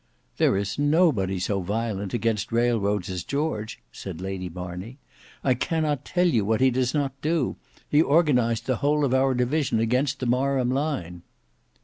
"There is nobody so violent against railroads as George," said Lady Marney; "I cannot tell you what he does not do! He organized the whole of our division against the Marham line!"